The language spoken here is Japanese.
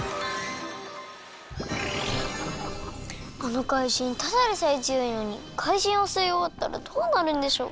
あのかいじんただでさえつよいのにかいじんをすいおわったらどうなるんでしょう？